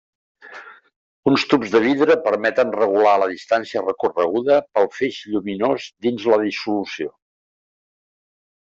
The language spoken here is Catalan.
Uns tubs de vidre permeten regular la distància recorreguda pel feix lluminós dins la dissolució.